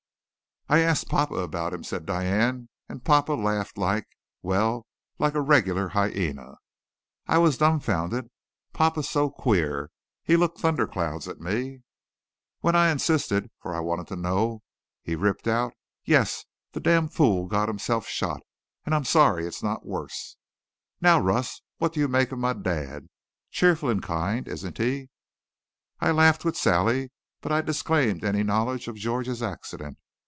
"I asked papa about him," said, Diane, "and papa laughed like well, like a regular hyena. I was dumbfounded. Papa's so queer. He looked thunder clouds at me. "When I insisted, for I wanted to know, he ripped out: 'Yes, the damn fool got himself shot, and I'm sorry it's not worse.' "Now, Russ, what do you make of my dad? Cheerful and kind, isn't he?" I laughed with Sally, but I disclaimed any knowledge of George's accident.